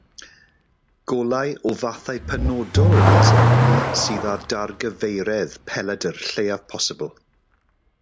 Golau o fathau penodol o laser sydd â'r dargyfeiredd pelydr lleiaf posibl.